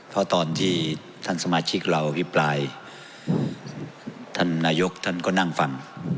เพราะตอนที่ท่านสมาชิกเราอภิปรายท่านนายกท่านก็นั่งฟัง